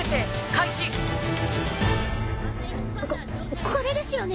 ここれですよね。